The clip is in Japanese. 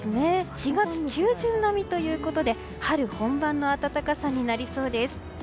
４月中旬並みということで春本番の暖かさになりそうです。